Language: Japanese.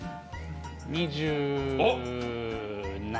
２７。